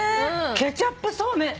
ケチャップそうめん